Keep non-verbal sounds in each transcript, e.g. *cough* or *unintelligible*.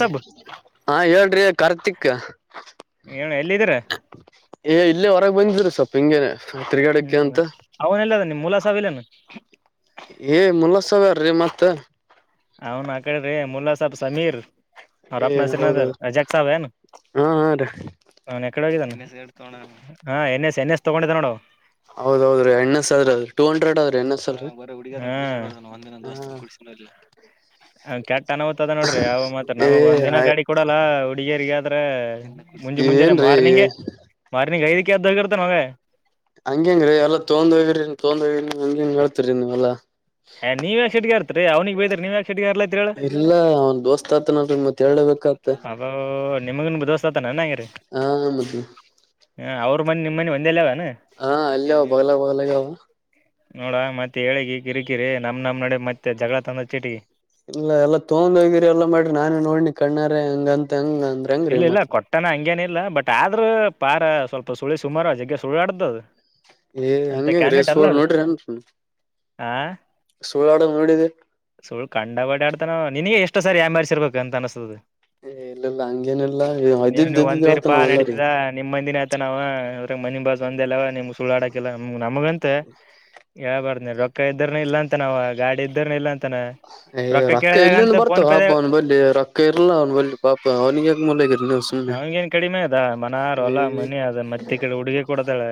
ಸಬ್ ಹಾ ಹೇಳ್ರಿ ಕಾರ್ತಿಕ್ ಎಲ್ಲಿದೀರ ಏ ಇಲ್ಲೇ ಹೊರಗೆ ಬಂದಿದ್ರರು ಸ್ವಪ ಹಿಂಗೇನೆ ತಿರ್ಗಾಡಕ್ಕೆ ಹ್ಮ್ ಅಂತ ಅವನೆಲ್ಲ ಅದ ನಿಮ್ ಮುಲ್ಲಾ ಸಾಬ್ ಇಲ್ಲೇನು ಏ ಮುಲ್ಲಸಾವ್ಯಾರ್ರೀ ಮತ್ತ ಅವನ್ ಆ ಕಡೆ ಅ ಮುಲ್ಲ ಸಾಬ ಏ ಸಮೀರನಾ ಹೌದು ಶ್ರೀನಗರ ಅಜಗ ಸಾಬ್ ಹ ಹಾ ಹಾ ರೀ ನನ್ ಎಕಡೆ ಹೋಗಿದ್ದಾನ ಹ ಎನ್ನಸ್ ಎಣ ಎಸ್ ತಗೊಂಡಿದ್ದ ನೋಡು ಹೌದ ಹೌದು ಎಣ್ಣ ಸಾವದದು ಟೂ ಹಂಡ್ರೆಡ್ದು ಹ ಬರ ಹುಗ ಒಂದಿನಂದ ದೋಸ್ತ ಕುಡಸಿನಲ್ಲ ಹ ಕೆಟ್ಟ ಅನತದ ನೋಡ್ರಿ ಅವ ಮಾತ್ರ ನಮಗ್ ಒಂದ್ಿನ ಹ ಏ ಗಾಡಿ ಕೊಡಲ್ಲ ಹುಡುಗಿಯರಿಗೆ ಆದ್ರ ಮುಂಜೆ ಮುಂಜೆಾನನೆ ಏನ್ರೀ ಮಾರ್ನಿಂಗಗೆ ಮಾರ್ನಿಂಗ್ ಐದಕ್ಕೆ ಎದ್ದು ಹೋಗಿರ್ತ ನಾವ ಹಂಗಂಗ್ರೀ ಎಲ್ಲಾ ತೊೊಂಡ್ ಹೋಗಿ್ರಿ ತೊೊಂಡ ಹೋಗಿರಿ ಹಂಗಂಗ ಹೇಳ್ತರಿ ನೀವ್ಲ್ಲಾ ಏ ನೀವ್ ಯಾಕ್ ಸಿಟ್ಟಿಗೆ ಆರ್ತೀರಿ ಅವ್ನಿಗೆ ಬೈದ್ರ ನೀವ್ ಯಾಕ್ ಸಿಟ್ಟಿಗೆ ಆರ್ಲತ್ತೀರಿ ಹೇಳು ಇಲ್ಲ ಅವನ್ ದೋಸ್ತ ಆತನಡ ಮತ್ತ ಎರಡು ಅ ನಿಮಗ ಹಾ ಮದ ಹ ಅವ್ರ ಮನೆ ನಿಮ್ಮ ಮನೆ ಒಂದೇಲ್ಲ ಹಾ ಅಲ್ಲಿ ಅವ ಬೋಗಲ ಬೋಗಲಾಗ ಅವ ನೋಡಾ ಮತ್ತೆ ಹೇಳಗೆ ಕಿರಿಕಿರಿ ನಮ್ ನಮ್ ನಡೆ ಮತ್ತೆ ಜಗಳ ತಂದ ಚೀಟಿ ಇಲ್ಲ ಎಲ್ಲಾ ತೊೊಂಡ್ ಹೋಗಿರಿ ಎಲ್ಲಾ ಮಾಡ್ರಿ ನಾನೇ ನೋಡ್ನಿ ಕಣ್ಣಾರೆ ಹಂಗಂತ ಹಂಗ ಅಂದ್ರ ಹೆಂಗ್ರೀ ಇಲ್ಲ ಇಲ್ಲ ಮತ್ ಕೊಟ್ಟಾನ ಹಂಗೇನ ಇಲ್ಲ ಬಟ್ ಬಟ್ ಆದ್ರ ಪಾರ ಸ್ವಲ್ಪ ಸುಳಿ ಸುಮಾರು ಜಜಗ್ಗೆ ಸುಳಿ ಆಡ್ದದು ಏ್ ಹಂಗೇಂಗ್ರೀ ಸೋಳ್ ನೋಡ್ರಿ ಅನ್ ಹ ಸುಳ್ಕಂಡ ಬಡ ಆಡ್ತಾನೋ ನಿನಗೆ ಎಷ್ಟು ಅಷ್ಟ ಸರ್ ಯ ಮಾರ್ಸ ಇರ್ಬೇಕ ಅನಿಸತದೆ ಎಲ್ಲೆಲ್ಲ ಹಂಗೇನೆಲ್ಲಾ ನೀವ್ ನೀವ್ ಒಂದಿರಪಾ ನಡೀತದ ನಿಮ್ಮ ಮಂದಿನ ಆಯತ ನಾವ್ ಅದ್ರಾಗ ಮನಿ ಬಾಜ್ ಒಂದ ಅಲ್ಲವ ನಿಮ್ ಸುಳ್ಳುಾಡಾಕಿಲ್ಲ ನಮಗಂತೆ *inaudible* ಯಾಳ್ ಬಾರ್ದಿ ರೊಕ್ಕ ಇದ್ರನು ಇಲ್ಲ ಅಂತ ನಾವವು ಗಾಡಿ ಇದ್ದ್ರನು ಇಲ್ಲ ಅಂತ ಅಂತಾನ ಏ್ ರೊಕ್ಕ ಕೇಳಿದಾಗ ಎಲ್ಲಿಂದ ಫೋನ್ ಬರ್ತಾವ ಹಬ್ಬ ಅವ್ನು ಬಲ್ಲಿಿ ರೊಕ್ಕ ಇರ್ಲ್ಲ ಅವ್ನು ಬಿ ಪಾಪ ಅವ್ನಿಗೆ ಯಾಕ ಮುಲಗಿರಿ ನೀವು ಸುಮ್ನೆ ನಾವಗೇನ್ ಕಡಿಮೆ ಅದ ಮನಾರ ಎಲ್ಲ ಮನಿ ಅದ ಮತ್ತ ಕಡೆ ಹುಡುಗಿ ಕೊಡದಲ್ಲ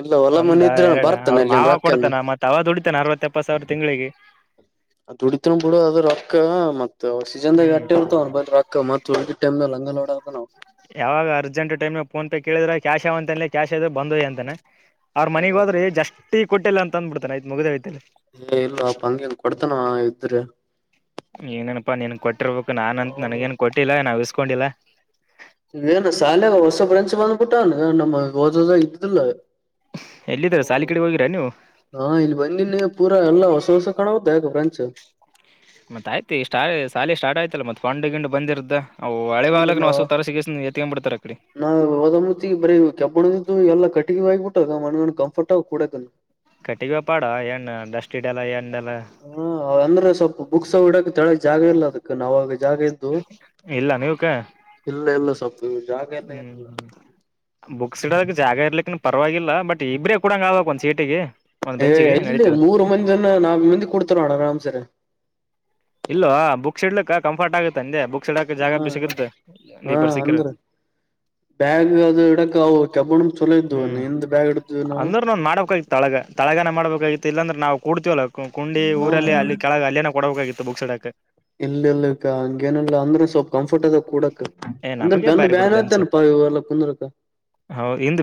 ಇಲ್ಲ ಹೊಲ ಒಂದ ಮನಿ ಇದ್ರ ಎರಡ ಅವ್ರ ಬರ್ತಾನ ಇಲ್ಲಿನ್ ಮಾವ ರೊಕ್ಕಂದ ಕೊಡ್ತಾನ ಮತ್ತ ಅವ ದುಡಿತಾನ ಅರವತ್ತ ಎಪ್ಪತ್ ಸಾವಿರ ತಿಂಗಳಿಗೆ ದುಡಿತ ಬಿಡು ಅದ್ರ ರೊಕ್ಕ ಮ ಸೀಜನ್ದಾಗ ಹ್ಮ್ ಅಟ್ಟೆ ಇರ್ತವ ಬ ರೊಕ್ಕ ಮ ಟಮ ಯಾವಾಗ ಅರ್ಜೆಂಟ್ ಟೈಮ್ಗೆ ಫೋನ್ ಪೇ ಕೇಳಿದ್ರೆ ಕ್ಯಾಶ್ ಅವಂತ ಕ್ಯಾಶ್ ಆದ್ರೆ ಬಂದಯಿ ಅಂತಾನ ಅವ್ರ ಏ ಮನೆಗ್ ಹೋದ್ರೆ ಇಲ್ಲ ಜಸ್ತಿಿ ಕೊಟ್ಟಿಲ್ಲ ಅಂತ ಅಂದ್ಬಿಡ್ತಾನ ಆಯತ್ ಮುಗ್ದೇ ಯ್ತಲ್ಲಿ ಏ ಇಲ್ ಅಪ ಹಂಗಗೆ ಹೆಂಗ ಕೊಡ್ತಾನ ಇದ್ರೆ ಏನನಪಾ ನೀನ್ ಕೊಟ್ಟಿರ್ಬೇಕು ನಾನಂತ ನನ್ಗೇನ್ ಕೊಟ್ಟಿಲ್ಲ ನಾ ಇಿಸಕೊಂಡಿಲ್ಲ ನೀ ಏನು ಶಾಲೆಾಗ ಹೊಸ ಪ್ರ್ರೆನ್ಸ್ ಬಂದ್ಬಿಟ್ಟ ನಮ ಓದೋದಾಗ ಇದಿಲ್ಲ ಎಲ್ಲಿದ್ರ ಸಾಲಿ ಕಡೆ ಹೋಗಿರ ನೀವು ಹಾ ಇಲ್ಲಿ ಬಂದಿನ್ನ ಪೂರಾ ಎಲ್ಲ ಹೊಸ ಹೊಸ ಕಾಣ ಬ ್ರೆಂಚ್ು ಮತ್ತತ್ ಆಯ್ತುಷ್ಟ್ಟ ಶಾಲಿ ಸ್ಟಾರ್ಟ ಆಯ್ತಲ್ಲ ಮತ್ತತ್ ಪಾಂಡಿ ಗಿಂಡ್ ಬಂದಿದ್ದ ಹೌದ ನಾ ಬಿಡ್ತಾರ ಆ ಕಡೆ ನಾ ಹಓದಮ್ಮತಿ ಬರೀ ಕೆಬ್ಬಣದಿದ್ದು ಎಲ್ಲ ಕಟಿ ಆ್ಬಿಟ್ಟುಾಗ ಮ ಕಂಫರ್ಟ್ ಆ ಕೂಡ ಕಟ್ಟಿಿಗೆ ಬ್ಯಾಪಾಡ ಏನ್ ಡಸ್ಟ್ ಇಡಲ್ಲ ಏನ್ಲ್ಲ ಹ ಅಂದ್ರೆ ಸ್ವಲ್ಪ ಬುಕ್ಸ್ ಹಡಕ್ ತಳ ಜಾಗ ಇಲ್ಲ ಅದಕ್ ನಾವಾಗ ಜಾಗ ಇದ್ದು ಇಲ್ಲ ನೀವ್ಕ ಇಲ್ಲ ಇಲ್ಲ ಸ್ವಲ್ಪ ಜಾಗ ಎಲ್ಲ ಹ್ಮ್ ಏನಿಲ್ಲ ಹ್ಮ್ ಬುಕ್ಸ್ ಇಡೋದಕ್ಕೆ ಜಾಗ ಇರ್ಲಿಕ್ಕನು ಪರವಾಗಿಲ್ಲ ಬಟ್ ಇಬರೇ ಕೊಡಂಗಗೆ ಆಾಗ ಒಂದು ಸೀಟಿಗೆ ಒಂದ್ ಏ ಬೆಂಚಿಗೆ ಇಲ್ಲಿ ನಡೀತದ ಮೂರು ಮಂದಿನ್ನ ನಾಲ್ಕು ಮಂದಿ ಕೊಡ್ತಾರೋಣ ಆರಾಮ್ಸರ ಇಲ್ಲವಾ ಬುಕ್ ಶಡ್ಲಕ್ಕ ಫಾಟ್ ಆಗುತ್ತೆ ಅಂದೆ ಬುಕ್ಸ್ ಇಡಕ ಜಾಗ ಹ ಬಿ ಸಿಗುತ್ತೆ ಹಾ ನೀಬ್ ಬರ್ ಸಿಕ್ಕರ ಅಂದ್ರ ಬ್ಯಾಗ್ ಅದು ಇಡಕ ಅವು ಕೆಬಣ ಚಲೋ ಇದವು ಹ್ಮ್ ನಿಂದ್ ಬ್ಯಾಗ್ ಇಡತವಿ ನಾವು ಅಂದ್ರ ನಾನ್ ಮಾಡ್ಬೇಕಾಗಿತ್ತು ತಳಗ ತಳಗನ ಮಾಡ್ಬೇಕಾಗಿತ್ತು ಇಲ್ಲ ಅಂದ್ರೆ ನಾವುೂಡ್ತಿವಲ್ಲ ಕುು ಊರಲ್ಲಿ ಅಲ್ಲಿ ಕೆಳಗೆ ಅಲ್ಲಿೇನ ಕೊಡಬೇಕಾಗಿತ್ತು ಬಕ್ಸ್ಡಕ್ ಇಲ್ಲ ಇಲ್ ಹಂಗೇನಿಲ್ಲ ಅಂದ್ರೆ ಸ್ವಲ್ಪ ಕಂಫರ್ಟ್ ಅದ ಕೂಡಕ್ ಏ ಅಂದ್ರೆ ನಮಗೆ ಬಂದು ಬಾರಿ ಬೇತೇ ದಲ್ಲ ಪುಕ ಹೌದು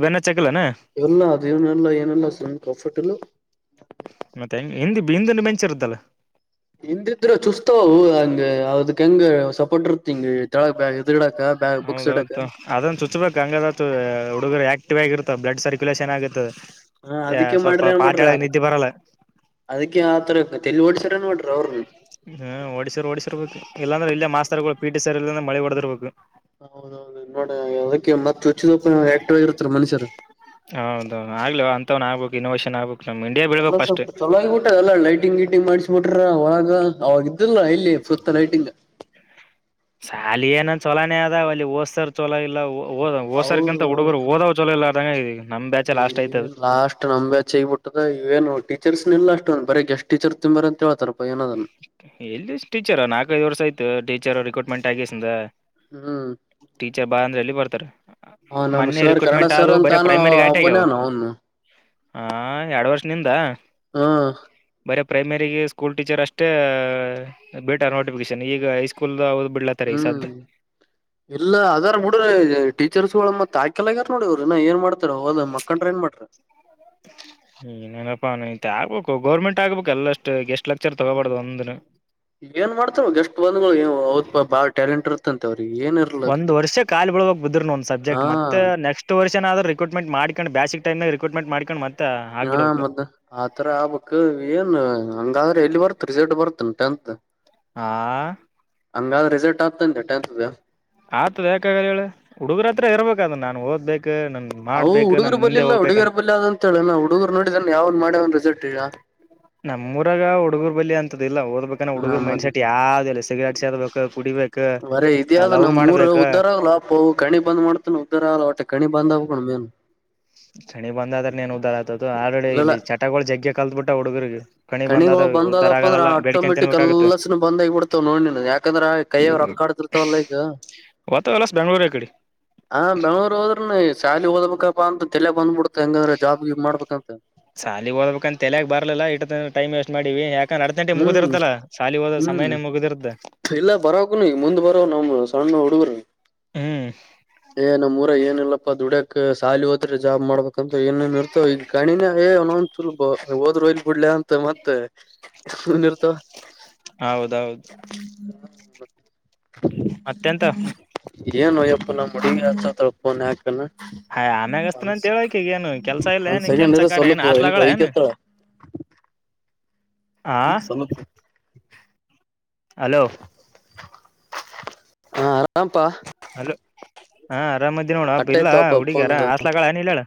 ಎಲ್ಲ ಅದೇನೆಲ್ಲ ಏನೆಲ್ಲ ಸಮ ಕಫರ್ಟಲ್ಲ ಹಿಂದ ಮೆಂಚಿರುದಲ್ಲ ಹಿಂದಿದ್ರರು ಚೂಸ್ತಾವ ಹಂಗ ಅದಕ ಹೆಂಗ ಸ್ ಪಟ್ಟರುತಳ ಇದು ಇಡಾಕ್ಕ ಬಾಗ ಬುಕ್ಸ್ ಇಡಾಕ್ಕ ಹೌದೌದು ಅದನ್ ಚುಚ್ಬೇಕ್ ಹಂಗದ ಹುಡುಗರು ಆಕ್ಟಿವ್ ಆಗಿರುತ್ತ ಬಲಡ್ ಸರ್ಕುಲೇಷನ್ ಆಗತ್ತದೆ ಹಾ ಅದಕ್ಕೆ ಮಾಡ್ರಿ ಏನ್ ಮಾಡ್ರಿ ಅ ಬರಲ್ಲ ಅದಕ್ಕೆ ಆತರ ಲ್ಲಿ ಓಡ್ಸರ ನೋರಿ ಅವ್ರನು ಹ್ಮ್ ಓಡಿಸಿರ್ ಓಡಿಸಿರ್ಬೇಕು ಇಲ್ಲಾಂದ್ರೆ ಇಲ್ಲ ಮಾಸ್ತರ್ಗಳು ಪಿಟಿ ಸರ್ ಇಲ್ಲ ಅ್ರೆ ಮಳಿ ಹೊಡದಿರ್ಬೇಕು ಹೌದೌದು ನೋಡ ಅದಕ್ಕೆ ಮತ್ತೆ ಚುಚ್ಚಪ್ಪ ಆಕ್ಟಗರುತ್ತಲ್ಲ ಮನುಷ್ಯರು ಇನೋಷನ್ ಆ ಎಲ್ಲ ಸ್ವಲ್ಪ ಚಲಾಗಿಬಟ್ಟದೆಲ್ಲ ಲೈಟಿಂಗ್ ವೀಟಂಗ ಮಾಡಸ ಮಿಟ್ರ ಒಳಗ ಅವಾಗ ಇದ್ದಲ್ ಇಲ್ಲಿ ಸುತ್ತ ಲೈಟಿಂಗ್ ಶಾಲಿ ಏನಂದ ಚೊಲೋನೇ ಅದ ಅಲ್ಲಿ ಓದ್ತಾರ ಚಲೋ ಇಲ್ಲ ಹಓದ ಓಸರ್ಗಿಂತ ಹುಡುಗರುಓದ್ ಜಲ ಇ ಆದಂಗ ಇದ ಈಗ ಅದ ಲಾಸ್ಟ್ ನಮ್ಚ್ ಹಗಬಿಟ್ಟದ ಇವಏನು ಟೀಚರ್ಸ್ ನಿಲ್ಲ ಅಷ್ಟ ಬರಿ ಎಸ್ ಟಚರ್ ತಂಬರ ಅಂತೇತಾರಪ್ಪ ಏನದನ್ ಎಲ್ಲಿ ಟೀಚರ್ ನಾಲ್ಕೈಐದು ವರ್ಷ ಆಯತು ಟೀಚರ್ ರಿರೂಟ್ಮೆಂಟ್ ಆಗಸಂದ ಹ್ಮ್ ಟೀಚರ್ ಬಾಾರ ಅಂದ್ರೆ ಎಲ್ಲಿ ಬರ್ತಾರೆ ಹ ನಮ್ ಮೊನ್ನೆ ಸರ್ ಕನ್ನಡ ರರಿಕ್ರೂಟ್ಮೆಂಟ್ ಆದ ಸರ್ ಬರ ಅಂತಾನು ಪ್ರೈಮರಿ ಆಟ ಆಗಾವ ಒಬ್ಬನೇನು ಅವನು ಹ ಎರ ವರ್ ನಿಂದ ಹಾ ಬರ ಪ್ರೈಮರಿಗೆ ಸ್ಕೂಲ್ ಟೀಚರ್ ಅಷ್ಟೇ್ ಬೇಟ ನೋಟಿಫಿಕೇೇಶನ್ ಈಗ ಹೈಸ್ಕೂಲ್ ಹ್ಮ್ ಇಲ್ಲ ಅದಾರ ಮುಡ್ರ ಟೀಚರ್ಸ್ ಒಳ ಮತ್ತ ತಾಯ್ಕೆಲ್ಗಾರ ನೋಡವ್ರ ನಾ ಏನ್ ಮಾಡ್ತಾರ ಹೋದ್ ಮಕ್ಕಂಡ್ರ ಏನ್ ಮಾಡ್ರ ಈನನಪ್ಪಾ ಇ ಆಗ್ಬೇಕು ಗೌರ್ಮೆಂಟ್ ಆಗ್ಬೇಕಕ್ ಎಲ್ಲ ಅಷ್ಟು ಎಷ್ಟು ಹ್ಮ್ಮ ಏನ್ ಮಾಡ್ತವ ಎಷ್ಟ್ ಬಂದ್ಗಳು ಅವ ಬಾಳ ಟ್ಯಾಲೆಂಟ್ ಇರತಂತೆವ್ರಿ ಒಂದ ವರ್ಷ ಕಾಲಿ ಬಿಳಕ್ ಬುದ್ರರು ಒಂದ ಸಬ್ಜೆಕ್ಟ್ ಹಾ ಮತ್ತ ನೆಸ್ಟ್ ವರ್ ಏನಾದರು ರಿರೂಟೆಂಟ್ ಮಾಡಕೊಂಡ್ ಬ್ಯಾ ಸಿಕ್ ರರಿರೂಟ್ ಮಾಡಿ ಹಾ ಮದ್ದ ಆತರ ಆಬಕ್ ಏನ್ ಹಂಗಾದ ಎಲ್ಲಿ ಬರ್ತ ರಿಸಲ್ಟ್ ಬರ್ತ ಟೆಂತ್ ಆ ಹಂಗಾದ ರಿಸಲ್ಟ್ ಆಗ್ತನ್ ಟೆಂತ್ ಆತದ ಯಾಕಾಗಲ್ಲ ಹೇಳ ಹುಡುಗರ ಹತ್ರ ಇರ್ಬೇಕ ಅದು ನಾನನ್ ಓದ್ಬೇಕು ನನ್ ಹವು ಮಾಡ್ಬೇಕು ನಾನ್ ಹುಡುಗುರು ಬಲ್ಲಿ ಮುಂದೆ ಇಲ್ಲ ಹುಡುಗಿಯರ ಹೋಗ್ಬೇಕಂತ ಬಲ್ಲಿ ಅಂತ ಹೇಳ ನಾ ಹುಡುಗರು ನೋಡಿದಾನ ಯಾವ್ ಮಾಡ ಒ ರಿಸಲ್ಟ್ ಟ್ಟರ ನಮ್ಮೂರಾಗ ಹುಡುಗೂರ್ ಬಳಿ ಅಂತದಿಲ್ಲ ಹದ ಬ ನ ಹ ಹುಡುಗರ್ ಮ ಮೈಂಡ್ಸೆಟ್ ಯಾವ್ದು ಇಲ್ಲ ಸಿಗರೇಟ್ ಸೇದಬೇಕು ಕುಡಿಬೇಕು ಲವ್ ಮಾಡ್ಬೇಕು ಹ ಕಣಿ ಬಂದ್ ಮಾಡ್ತಾನ ಉದ್ದರ ಆಲ್ಲ ಹೊಟ್ಟೆ ಕಣಿ ಬಂದ್ ಆಕೊಂಡ ಮೇನ್ ಚನಿ ಬಂದಾದ್ರ ಏನ್ ಉದ್ದಾರ ಆಗ್ತು ಆಲ್ರೆಡಿ ಇಲ್ಲಲ್ಲ ಇಲ್ಲಿ ಚಟಗಳು ಜಗ್ಗೆ ಕಲ್ತ್ ಬಿಟ್ಟ ಹುಡುಗರ್ರಿಗೆ ಕಣಿಗಳು ಬಂದದಪ್ಪ ಅಂದ್ರ ಆಟೋಮೆಟಿಕ್ ತಿನ್ಬೇಕಾಗುತ್ತೆ ಅಲ್ಲಸ್ನ ಬಂದಾಗಿಬ ಬಿಡ್ತಾವ ನೋಡ್ನ ಯಾಕಂದ್ರ ಆ ಕೈಯವ ರಕ್ ಕಡದರ್ತವಲ್ಲ ಈಗ ಹೊತ ಇಲ್ಲಸ್ ಬೆಂಗಳೂರು ಕಡೆ ಹಾ ಬೆಂಗಳೂರ್ ಹೋದ್ರ ಶಾಲಿ ಹಓದಬೇಕಪ್ಪಾ ಅಂತ ತಲೆ ಬಂದ್ಬಿಡ್ತ ಹೆಂಗಂದ್ರ ಜಾಬ್ ಗಿಬ್ ಮಾಡ್ಬೇಕಂತ ಸಾಲಿಗೆ ಹೋಗ್ಬೇಕಂತ ಎಲ್ಯಾಗ ಬರ್ಲಿಲ್ಲ ಇಟ್ಟ ಟೈಮ್ ವೇಸ್ಟ್ ಮಾಡಿವವಿ ಯಾಕ ನಡೆ ಗಂಟೆ ಹ್ಮ್ ಮುಗಿದಿರದಲ್ಲಾ ಸಾಲಿ ಹದ ಹ್ಮ್ ಸಮಯೇ ಮುಗಿದಿರದ ಇಲ್ಲ ಬರೋಕ್ಕ ನೀ ಮುಂದ್ ಬರೋ ನಮ್ ಸಣ್ಣ ಹುಡುಗ್ರ ಹ್ಮ್ ಏ ನಮ್ಮ್ಊರಗ ಏನ ಇಲ್ಲಪ್ಪಾ ದುಡ್ಯಕ ಸಾಲಿ ಹೋದ್ರೆ ಜಾಬ್ ಮಾಡ್ಬೇಕಂತ್ರ ಏನೇನ್ ಇರ್ತವ ಈಗ ಗಣಿನೇ ಏ *unintelligible* ಹೋದ್ರು ಹೋಲಿ ಬಿಡ್ಲ ಅಂತ ಮತ್ತೆ ಸುಮ್ನ್ ಇರ್ತ ಹೌದೌಹೌದ ಏನುಯಪ್ಪ ನಮ್ಮ ಹುಡುಗಿ ಹಚ್ಚತಾಳ ಫೋನ್ ಆಮ್ಯಾಗ ಹಸ್ತನಂತ ಹೇಳಕೀಗ ಏನು ಕೆಲ್ಸ ಇಲ್ಲ ಏನ್ ಕೆಲ್ಸ ಒನ್ ಕಾರ್ಯ ಏನ್ ಸ್ವಲ್ಪ ಹಾಸ್ಲಾಗಳ ಏನ್ ಇರು *unintelligible* ಆ ಎ ಸಲ್ಲುತ್ತ ಹಲೋ ಹಾ ಆರಾಮಪ್ಪಾ ಹಲೋ ಹಾ ಅರಾಮದಿ ನೋಣ ಅ ಕಟ್ ಇಲ್ಲಾ ಆಯ್ತವಪ್ಪ ಫೋನ್ ಹುಡುಗಿರ ಅದ ಹಾಸ್ಟೆಲ್ ಗಳ ಇಲ್ಲೇ ಅದಾಳ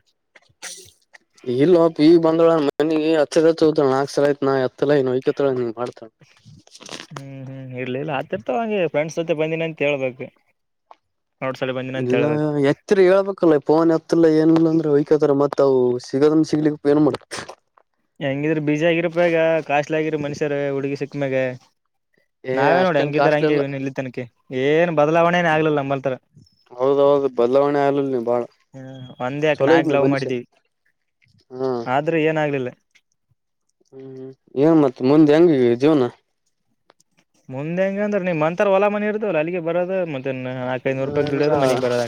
ಇಲ್ ಅಪ್ಪಿ ಈಗ ಬಂದಳ ಮನಗೆ ಹಚ್ಚ ಚೋದಳ ನಾಕ ಸಲ ಆಯತ್ ನಾ ಎತ್ತಳ ಹೊಯಕತ್ತಳ ಹ್ಮ್ ಹ್ಮ್ ಇಲಿಲ್ಲ ಆತರ ಹಾಗೆ ಫ್ರೆಂಡ್ಸ್ ಜೊತೆ ಬಂದಿನಿ ಅಂತ ಹೇಳಬೇಕು ಇಲ್ಲ ಎತ್ತಿರ ಹೇಳ್ಬೇಕಲ್ಲ ಪೋನ್ ಎತ್ತಿಲ್ಲ ಏನಿಲ್ಲ ಅಂದ್ರ ವಯಕತಾರ ಮತ್ ಅ ಸಿಗೋದನ್ ಸಿಗ್ಲಿಕ್ಕಪ್ಪ ಏನ್ ಮಾಡುಬೇಕು ಹೆಂಗಿದ್ರ ಬಿಜಿ ಆಗಿರಪ್ಪಗ ಕಾಸ್ಟ್ಲಿ ಆಗಿರ ಮನುಷ್ಯರು ಹುಡುಗಿ ಸಿಕ್ಕಮ್ಯಾಗ ಏ ನಾವೇ ನೋಡಿ ಅಷ್ಟೇನ್ ಹೆಂಗಿದಾರ ಕಾಸ್ಟ್ಲಿ ಅಲ್ಲ ಹಂಗೆವನ್ ಇಲ್ಲಿ ತನಕ ಏನ್ ಬದಲಾವಣೆನ ಆಗ್ಲಿಲ್ಲ ನಂಬಲ್ತಾರ ಹೌದೌಹೌದು ಬದಲಾವಣೆ ಆಗ್ಲಲ್ ನೀ ಬಾಳ ಚಲೋ ಇದ್ನಿ ಮನುಷ್ಯ ಹಾ ಆದ್ರೆ ಏನಾಗ್ಲಿಲ್ಲ ಹ್ಮ್ ಏನ್ ಮತ್ತೆ ಮುಂದೆ ಹೆಂಗ ಜೀವನ ಮುಂದೆ ಹೆಂಗ ಅಂದರ ನಿಮ್ ಅಂತರ ಹೊಲ ಮನಿ ಇರತವಲ್ಲ ಅಲ್ಲಿಗೆ ಬರೋದ ನಾಕೈನೂರು ನ ರೂಪಾಯಿ ದುಡಿಯೋದು ನಾ ಮನಿಗ್ ಬರೋದ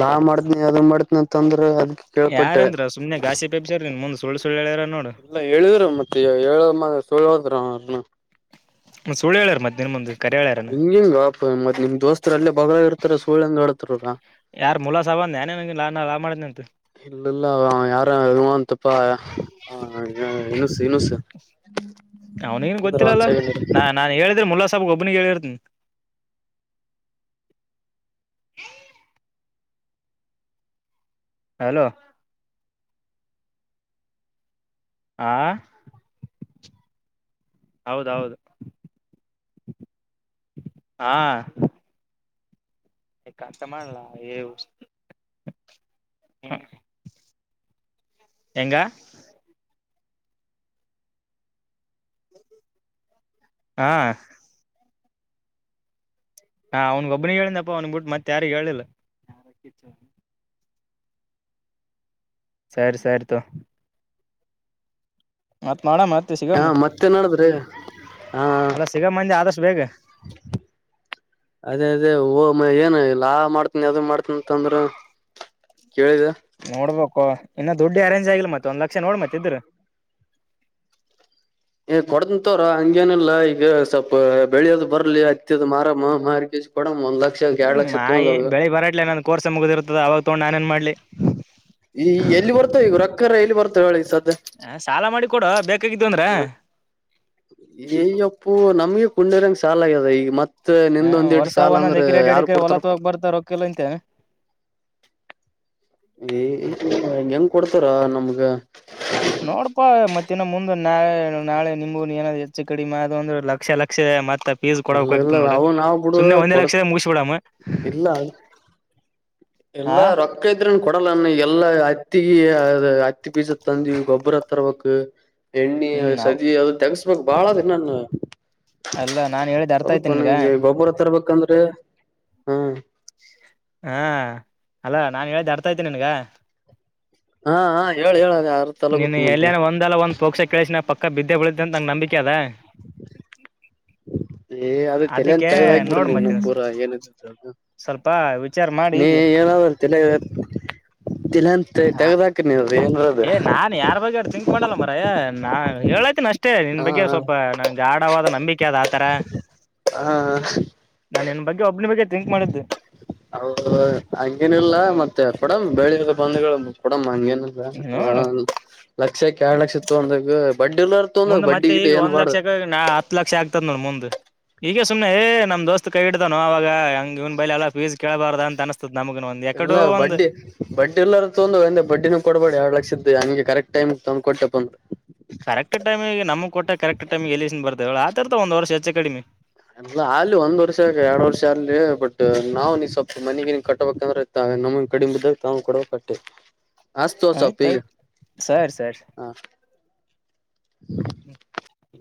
ಲಾ ಮಾಡತನಿ ಅದ ಮಾಡತನಿ ಅಂತಂದ್ರ ಅದ ಕೇಳ್ಪಟ್ಟೆ ಯಾರಂದ್ರ ಸುಮ್ನೆ ಗಾಸಿ ಪೆಬ್ಸರ್ ನಿನ್ ಮುಂದ್ ಸುಳ್ಳು ಸುಳ್ಳು ಹೇಳ್ಯಾರ ನೋಡು ಎಲ್ಲ ಹೇಳಿದ್ರು ಮತ್ತೆ ಹೇಳಮ್ ಸರ *unintelligible* ಸುಳ್ಳು ಹೇಳರ್ ಮತ್ತೆ ಹಂಗಿಂಗ ಬಾಪ ನಿಮ್ ದೋಸ್ತರು ಅಲ್ಲೇ ಬಾಗಲಗ ಇರ್ತಾರ ಸುಳ್ಂಗ ಹೇಳತರ ಅವರ ಯಾರು ಮೂಲ ಸಾಬ್ ಅಂದ ನಿನಗ ನಾ ಲಾ ಮಾಡಿದಂನಂತ ಇಲ್ಲ ಇಲ್ಲಆವಾ ಯಾರ ಇವಾ ಅಂತಪ್ಪ ಇನಸ್ ಇನುಸ್ ಅವನಿಗನ್ ನಿಂದ್ರ ಒಂದ್ ಗೊತ್ತಿಲ್ಲಲ್ಲಾ ಸೈಡ್ ನಾ ನಾನ್ ಹೇಳಿದ್ರೆ ಮುಲ್ಲಾ ಸಾಬ್ ಮುಲ್ಲಾ ಸಾಬ್ ಒಬ್ಬನಿಗೆ ಹೇಳಿರ್ತೀಿ ಹಲೋ ಆ ಹೌದೌಹೌದು ಹಾ ಕಸ್ಟ ಮಾಡನ್ಲ ಎ *unintelligible* ಹೆಂಗ ಹಾ ಹಾ ಅವನ್ಗ ಒಬ್ನಿಗೆ ಹೇಳನಪ್ಪ ಅವನ್ ಬಿಟ್ಟ ಮತ್ತೆ ಯಾರಗ್ ಹೇಳಿಲ್ಲ. ಸರಿ ಸರಿ ತಗೋ ಮಳ ಮಾರ್ತ್ತ ಹಾ ಸಿಗಮ್ ಮತ್ತೆ ನಡದ್ರಿ ಹಾ ಅಲ್ಲ ಸಿಗಮ್ ಅಂದೆ ಆದಷ್ಟು ಬೇಗ ಅದೇ ಅದೇ ಓ ಏನು ಲಾ ಮಾಡ್ತನಿ ಅದ ಮಾಡ್ತನಿ ಅಂತಂದ್ರರು ನೋಡ್ಬಾಕೋ ಇನ್ನು ದುಡ್ಡಿ ಅರೇಂಜ್ ಆಗಿಲ್ ಮತ್ತೆ ಒಂದ್ ಲಕ್ಷ ನೋಡ್ ಮತ್ತ ಇದ್ರ ಏ ಕೊಡತನತೋರು ಹಂಗೇನಿಲ್ಲಾ ಈಗ ಸ್ವಲ್ಪ ಬೆಳಿ ಅದು ಬರ್ಲಿ ಹತ್ತಿದ ಮಾರಮ್ಮ ಮಾರ ಕೇಸು ಕೊಡಮ್ಮ ಒನ್ ಲಕ್ಷ ಎರಡ್ ನಿಮ್ಮ್ ಲಕ್ಷ ಮಾಯಿ ತಗೊಂಡೋಗ ಬೆಳಿ ಬರತಲೆ ನನ್ ಕೋರ್ಸ ಮುಗುದಿರ್ತದ ಅವಾಗ ತಗೊಂಡು ನಾನೇನ್ ಮಾಡ್ಲಿ. ಈ ಎಲ್ಲಿ ಬರ್ತಾವ ಈಗ ರಕ್ಕರ ಎಲ್ಲಿ ಬರ್ತಾವ ಹೇಳಿ ಸ. ಹ ಸಾಲ ಮಾಡಿ ಕೊಡುವ ಬೇಕಾಗಿದ್ದು ಅಂದ್ರ. ಹ ನಮಗೆ ಕುೊಂಡಿರಂಗಗೆ ಸಾಲ ಆಗ್ಯದ ಈಗತ್ತೆ. ಮತ್ತ ಹ ನಿ್ದ ಒಂದ್ ಎಟ ವರ್ಷ ಸಾಲ ಒಂದೊಂದ್ ಅಂದ್ರ ಎಕರೆ ಎರಡ್ ಎರಡ್ ಯಾರು ಎಕರೆ ಹೊಲ ಕೊಡ್ತಾರಪ್ಪ. ತಗೋಕ್ ಬರ್ತಾರ ರೊಕ್ಕಿಲ್ಲ ಅಂತ ಏ ಹೆಂಗ್ ಕೊಡ್ತಾರ ನಮ್ಗ. ನೋಡ್ಪಾ ಮತ್ತೆ. ಮತ್ತಿನ ಮುಂದೆ ನಾಳ ನಾಳೆ ನಿಮಗ ಏನಾದ್ ಹೆಚ್ಚು ಕಡಿಮೆ ಅದು ಅಂದ್ರೆ ಲಕ್ಷ ಲಕ್ಷ ಮತ್ತ. ಸ್ ಇಲ್ಲ ಕೊಡಕ್ ಇಲ್ಲ ಆಗ್ತ ನೋಡಿ ಅವು ನಾವ್ ಬಿಡು ಸು್ನೆ ಒಂದೇ ಕೊಡ ಲಕ್ಷ ಮುಗಸ ಬಿಡಾಮ. ಇಲ್ಲ ಅದ ಎಲ್ಲಾ ರೊಕ್ಕ ಇದ್ರ. ಕೊಡಲನ್ನ ಎಲ್ಲಾ ಅತ್ತಿಿಗೆ ಅದ ಹತ್ತಿ ಪೀಜ ತಂದಿವ ಗೊಬ್ಬರ ತರ್ಬೇಕಕ್. ಎಣ್ಣೆ ಹ್ಮ್ ನಾವ್ ಸದ ಅದು ತೆಗಸ್ಬೇಕಕ್ ಬಾಳದ ನನ್ನ. ಅಲ್ಲ ನಾನ್ ಹೇಳಿದ್ ಅರ್ಥ ಆಯ್ತಿ ಸ್ವಲ್ಪ ನ ನಿನ್ಗ ಈಗ ಗೊಬ್ಬರ ಹ ತರಬೇಕಂದ್ರೆ ಹಾ. ಹಾ ಅಲ್ಲ ನಾನ್ ಹೇಳ್ದ ಆಡ್ತಾ ಇದ್ದೇನಿ ನಿನ್ಗ. ಹಾ ಹಾ ಹೇಳಿ ಹೇಳ. ಅದ ಯಾರ ನೀನ್ ತಲಗುತ್ ಮತ್ತೆ ಎಲ್ಲೇನ ಒಂದಲ್ಲ ಒಂದಂದು ಪೋಕ್ಷ ಕೇಳಸಿನ ಪಕ್ಕ ಬಿದ್ದೆ ಬಿಳತೆ ಅಂತ ನಂಗ ನಂಬಿಕೆ ಅದ. ಏ ಅದ ತಲಂತ ಅದಕ್ಕೆ ತಗದ ಆಕ್ಬಿಡ ನೋಡ್ ನೀವ ಮತ್ತೆ ಪೂರ ಏನ್ ಅ. ಸ್ವಲ್ಪ ವಿಚಾರ ಮಾಡಿ ನೀ ಹೀಗೆ ಎನಾವ ತಿಲ್ಲ. ಹಾ ಏನ್ರದ ಏ ನಾನ್ ಯಾರ್ ಬಗ್ ತಿಂಕ್ ಮಾಡಲ್ಲ ಮರ ನಾ ಹೇಳತನ ಅಷ್ಟ. ಅಷ್ಟೇ ನಿನ್ ಹಾ ಬಗ್ಗೆ ಹಾ ಸ್ವಲ್ಪ ನಂಗೆ ಆಢವಾದ ನಂಬಿಕೆ ಅದು ಆತರ. ಹಾ. ಒಬ್ನಿ ಬಗ್ ಥಿಂಕ್ ಮಾಡಿದ್ದು. ಹ ಹಂಗೇನ ಇಿಲ್ಲ ಮತ್ತೆ ಕೊಡಮ ಬೆಳಿದ ಬಂದಗಳು ಕೊಡಮ ಹಂಗೇನ್. ಹ್ಮ ನೋಡು ಲಕ್ಷಕ್ಕೆ ಎರಡ್ ಲಕ್ಷ ಇ ತಂದಾಗ. ಮುಂದೆ ಮತ್ತೆ ಈಗ ಒಂದ್ ಲಕ್ಷ ಆಕ ನಾ ಹತ್ತು ಲಕ್ಷ ಆಗ್ತದ ನೋಡ ಮುಂದೆ. ಈಗ ಸುಮನೆಏ ನ ದೋಸ್ತ್ ಕೈ ಇಡ್ದ್ೋ ಅವವಾಗ ಹಂಗ ಇವ್ ಬೈಲಿ ಎಲ್ಲ ಫೀಸ್ ಕೇಳಬಾರ್ದ ಅನ್ಸ್ತ. ಎಲ್ಲ ಬಡ್ಡಿ ಬಡ್ಡಿ ಎಲ್ಲಾರೂ ತೊಂದ ಒಂದೆ ಬಡ್ಡಿನ ಕೊಡ್ಬೇಡಿ ಎರಡ್ ಲಕ್ಷದ್ದ. ನಂಗೆ ಕರೆಕ್ಟ್ ಟೈಮ್ಗೆ ತಂದ್ ಕೊಟ್ಟಪ್ಪಂದರು. ಕರೆಕ್ಟ್ ಟೈಮಿಗೆ ನಮ್ ಕೊಟ್ಟ ಕರೆಕ್ಟ್ ಟೈಮಿಗೆ ಎಲ್ಲಿಸನ್ ಬರ್ತಾವ ಹೇಳಳ ಆತರ್ತಾವ ಒಂದ್ ವರ್ಷ ಹೆಚ್ಚೆ ಕಡಿಮೆ. ಎ ಅಲಿ ಒಂದ್ ವರ್ಷ ಎರಡ್ ವರ್ಷ ಆಲಿ ಬಟ್ ನಾವು ನೀ್ ಸ್ವಲ್ಪ. ಮನಗನ್ ಕಟ್ಟಬೇಕಂದ್ರೆ ಇ ನಮನ್ ಕಡಿಮ ಬಿದ್ದಾಗ ತಾವು ಕೊಡಬೇಕಟ್ಟೇ. ಹಸ್ತು ಸಪಿ ಆಯ್ತಾಯ್ತು ಸರಿ ಸರಿ ಹಾ. *unintelligible*